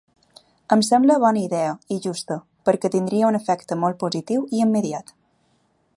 Em sembla bona idea –i justa–, perquè tindria un efecte molt positiu i immediat.